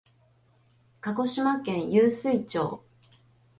鹿児島県湧水町